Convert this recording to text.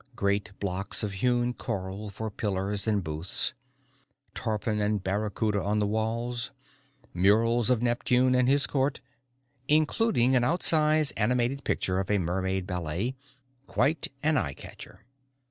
Great blocks of hewn coral for pillars and booths, tarpon and barracuda on the walls, murals of Neptune and his court including an outsize animated picture of a mermaid ballet, quite an eye catcher.